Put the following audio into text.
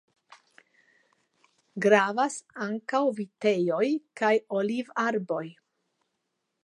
Gravas ankaŭ vitejoj kaj olivarboj.